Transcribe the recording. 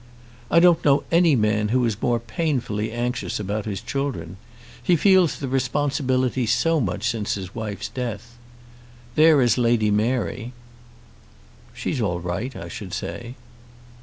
"I don't know any man who is more painfully anxious about his children. He feels the responsibility so much since his wife's death. There is Lady Mary." "She's all right, I should say."